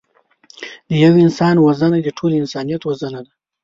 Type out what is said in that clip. د یوه انسان وژنه د ټول انسانیت وژنه ده